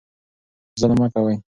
ظلم مه کوئ.